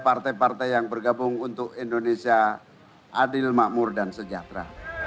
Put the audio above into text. partai partai yang bergabung untuk indonesia adil makmur dan sejahtera